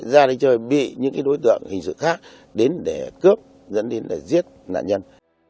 ra đây chơi bị những đối tượng hình sự khác đến để cướp dẫn đến để giết nạn nhân